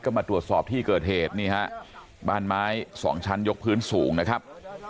ก็มาตรวจสอบที่เกิดเหตุนี่ฮะบ้านไม้สองชั้นยกพื้นสูงนะครับ